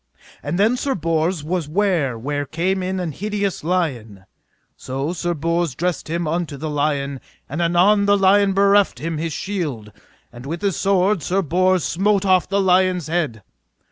And then Sir Bors was ware where came in an hideous lion; so Sir Bors dressed him unto the lion, and anon the lion bereft him his shield, and with his sword Sir Bors smote off the lion's head.